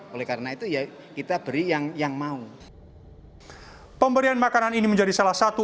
oleh karena itu ya kita beri yang yang mau pemberian makanan ini menjadi salah satu